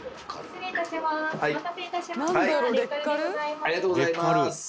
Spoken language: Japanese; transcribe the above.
ありがとうございます！